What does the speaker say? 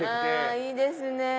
あいいですね。